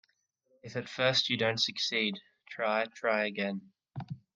If at first you don't succeed, try, try again.